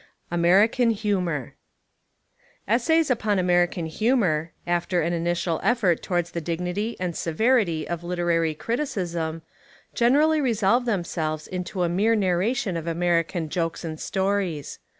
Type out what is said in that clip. — American Humour ESSAYS upon American Humour, after an Initial effort towards the dignity and severity of literary criticism, generally resolve themselves Into the mere narra tion of American jokes and stories.